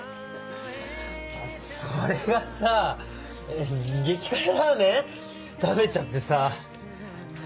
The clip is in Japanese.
それがさ激辛ラーメン食べちゃってさ。